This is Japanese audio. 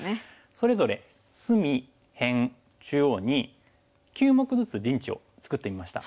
それぞれ隅辺中央に９目ずつ陣地を作ってみました。